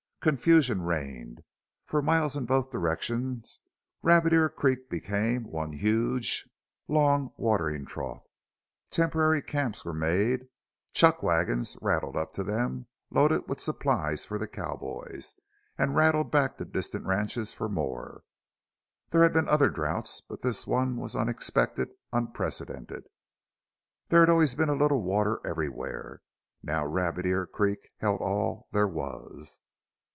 Confusion reigned. For miles in both directions Rabbit Ear Creek became one huge, long watering trough. Temporary camps were made; chuck wagons rattled up to them, loaded with supplies for the cowboys, and rattled back to distant ranches for more. There had been other droughts, but this one was unexpected unprecedented. There had always been a little water everywhere. Now Rabbit Ear Creek held all there was.